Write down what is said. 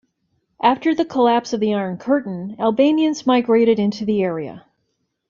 After the collapse of the Iron Curtain, Albanians migrated into the area.